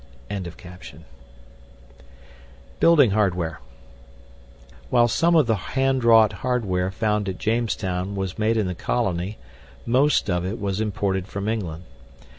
] BUILDING HARDWARE While some of the handwrought hardware found at Jamestown was made in the colony, most of it was imported from England.